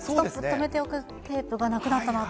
留めておくテープがなくなったなと。